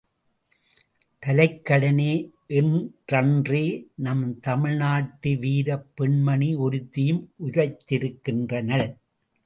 தலைக் கடனே என்றன்றே நம் தமிழ் நாட்டு வீரப் பெண் மணி ஒருத்தியும் உரைத்திருக்கின்றனள்!